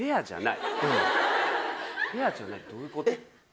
どういうこと。